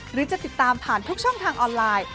หรือจะติดตามผ่านทุกช่องทางออนไลน์